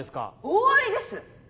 大ありです！